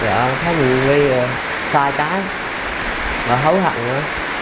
dạ em thấy hành vi sai trái và hấu hẳn nữa